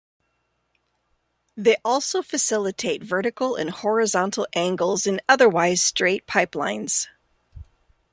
They also facilitate vertical and horizontal angles in otherwise straight pipelines.